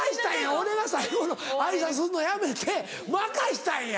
俺が最後の挨拶するのやめて任したんや！